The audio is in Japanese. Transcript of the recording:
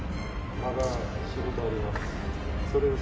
まだ仕事あります。